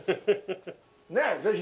ねえ、ぜひ。